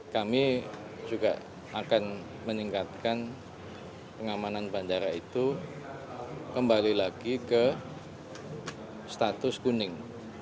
kami juga akan meningkatkan pengamanan bandara itu kembali lagi ke status kuning